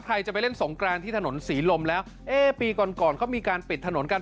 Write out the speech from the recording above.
ใครจะไปเล่นสงกรานที่ถนนศรีลมแล้วเอ๊ะปีก่อนก่อนเขามีการปิดถนนกัน